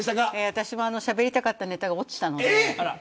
私もしゃべりたかったネタが落ちた。